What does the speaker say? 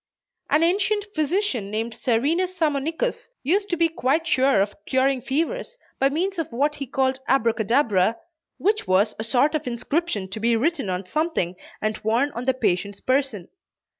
An ancient physician named Serenus Sammonicus, used to be quite sure of curing fevers, by means of what he called Abracadabra, which was a sort of inscription to be written on something and worn on the patient's person.